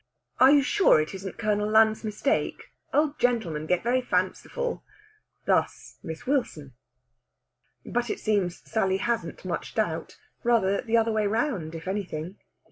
"Are you sure it isn't Colonel Lund's mistake? Old gentlemen get very fanciful." Thus Miss Wilson. But it seems Sally hasn't much doubt. Rather the other way round, if anything!